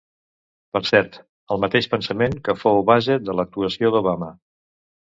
Per cert, el mateix pensament que fou base de l'actuació d'Obama.